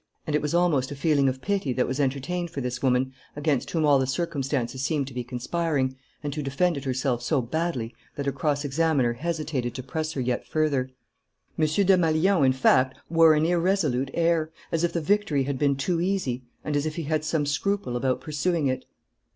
And it was almost a feeling of pity that was entertained for this woman against whom all the circumstances seemed to be conspiring, and who defended herself so badly that her cross examiner hesitated to press her yet further. M. Desmalions, in fact, wore an irresolute air, as if the victory had been too easy, and as if he had some scruple about pursuing it.